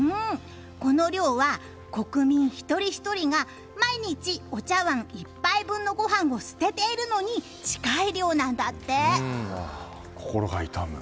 この量は、国民一人ひとりが毎日お茶わん１杯分のご飯を捨てているのに心が痛む。